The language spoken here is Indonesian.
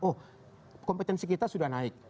oh kompetensi kita sudah naik